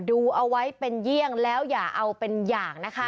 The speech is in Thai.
ดูเอาไว้เป็นเยี่ยงแล้วอย่าเอาเป็นอย่างนะคะ